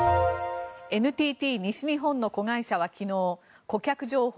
ＮＴＴ西日本の子会社は昨日顧客情報